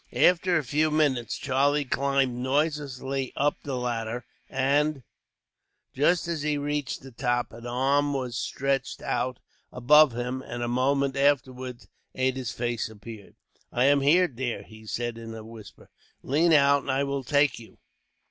After a few minutes, Charlie climbed noiselessly up the ladder and, just as he reached the top, an arm was stretched out above him; and, a moment afterwards, Ada's face appeared. "I am here, dear," he said, in a whisper. "Lean out, and I will take you."